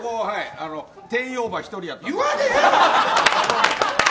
定員オーバー１人やった。